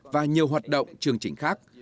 và nhiều hoạt động chương trình khác